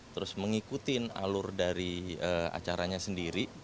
terus mengikuti alur dari acaranya sendiri